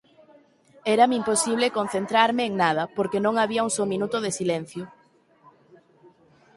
Érame imposible concentrarme en nada porque non había un só minuto de silencio.